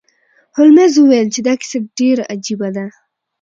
هولمز وویل چې دا کیسه ډیره عجیبه ده.